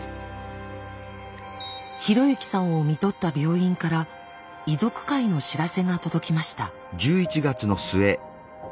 啓之さんを看取った病院から遺族会の知らせが届きました。